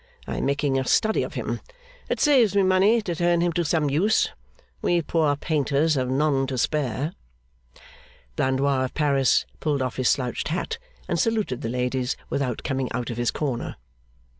I am making a study of him. It saves me money to turn him to some use. We poor painters have none to spare.' Blandois of Paris pulled off his slouched hat, and saluted the ladies without coming out of his corner.